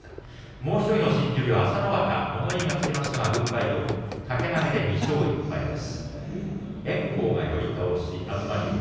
もう１人の新十両、朝乃若物言いがつきましたが軍配どおり掛け投げで２勝１敗です。